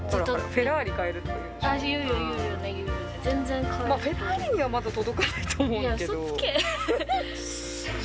フェラーリにはまだ届かないうそつけ。